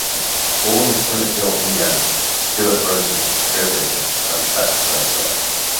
Born in Summitville, Indiana, Stewart broke into show business as a saxophone player.